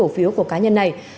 trui cổ phiếu của cá nhân này